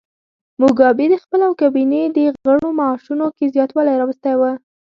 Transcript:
موګابي د خپل او کابینې د غړو معاشونو کې زیاتوالی راوستی و.